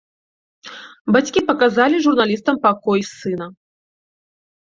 Бацькі паказалі журналістам пакой сына.